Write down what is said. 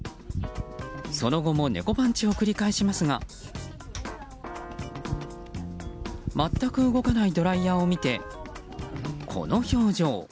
その後も猫パンチを繰り返しますが全く動かないドライヤーを見てこの表情。